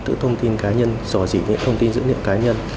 tự thông tin cá nhân dò dỉ những thông tin dữ liệu cá nhân